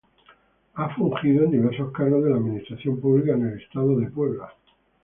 Ha fungido en diversos cargos de la administración pública en el estado de Puebla.